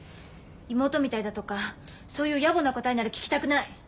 妹みたいだとかそういうやぼな答えなら聞きたくない。